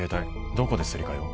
どこですり替えを？